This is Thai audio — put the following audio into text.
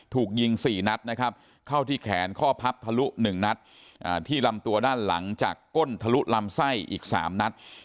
ถูกยิง๔นัดนะครับเข้าที่แขนข้อพับทะลุ๑นัดที่ลำตัวด้านหลังจากก้นทะลุลำไส้อีก๓นัด